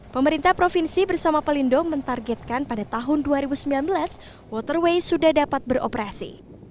pemerintah provinsi bersama pelindo mentargetkan pada tahun dua ribu sembilan belas waterway sudah dapat beroperasi